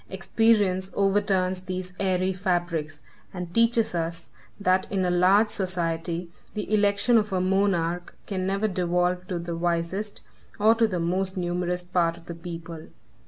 Experience overturns these airy fabrics, and teaches us, that in a large society, the election of a monarch can never devolve to the wisest, or to the most numerous part of the people.